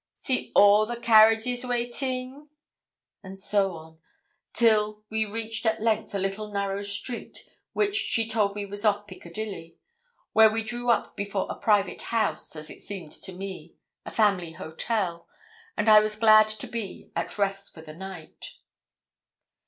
See all the carriages waiting;' and so on, till we reached at length a little narrow street, which she told me was off Piccadilly, where we drew up before a private house, as it seemed to me a family hotel and I was glad to be at rest for the night.